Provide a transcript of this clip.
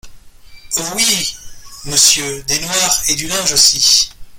Oh ! oui, monsieur ! des noirs… et du linge aussi !…